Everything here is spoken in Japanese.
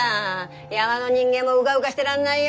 山の人間もうかうかしてらんないよ！